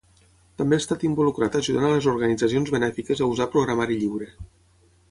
També ha estat involucrat ajudant a les organitzacions benèfiques a usar programari lliure.